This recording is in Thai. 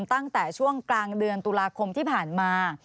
ตั้งแต่ช่วงกลางเดือนตุลาคมที่ผ่านมา